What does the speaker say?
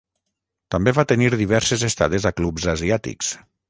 També va tenir diverses estades a clubs asiàtics.